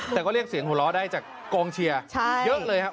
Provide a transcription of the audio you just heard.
แต่ก็เรียกเสียงหัวเราะได้จากกองเชียร์เยอะเลยครับ